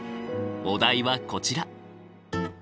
お題はこちら。